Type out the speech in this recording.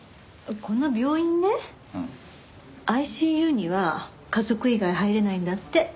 この病院ねＩＣＵには家族以外入れないんだって。